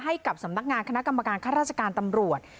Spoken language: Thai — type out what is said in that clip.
ให้กับสำนักงานคณะกรรมการค่าราชการตำรวจ